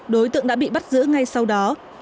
đối tượng đã bị bắt giữ ngay sau đó